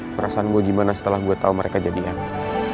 perasaan gue gimana setelah gue tau mereka jadi anak